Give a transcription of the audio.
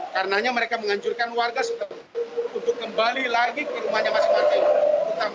karenanya mereka menganjurkan warga untuk kembali lagi ke rumahnya masing masing